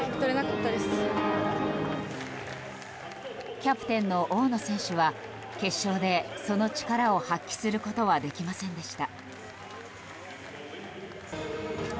キャプテンの大野選手は決勝で、その力を発揮することはできませんでした。